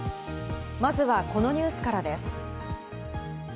まずはこのニュースからです。